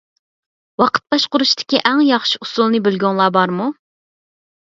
ۋاقىت باشقۇرۇشتىكى ئەڭ ياخشى ئۇسۇلنى بىلگۈڭلار بارمۇ؟